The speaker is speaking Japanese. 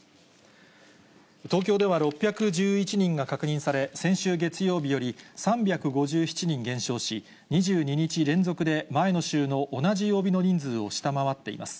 東京では６１１人が確認され、先週月曜日より３５７人減少し、２２日連続で、前の週の同じ曜日の人数を下回っています。